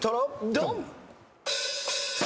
ドン！